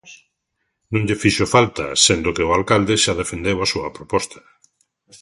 Non lle fixo falta, sendo que o alcalde xa defendeu a súa proposta.